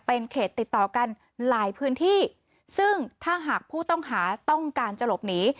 เป็นเขตติดต่อกันหลายพื้นที่ซึ่งถ้าหากผู้ต้องหาต้องการจะหลบหนี